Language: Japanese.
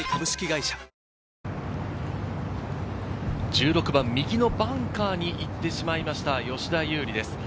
１６番、右のバンカーに行ってしまいました、吉田優利です。